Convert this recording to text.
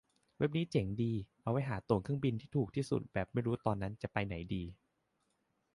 เว็บนี้เจ๋งดี เอาไว้หาตั๋วเครื่องบินที่ถูกที่สุดแบบไม่รู้ตอนนั้นจะไปไหนดี